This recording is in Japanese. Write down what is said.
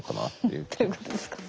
どういうことですか？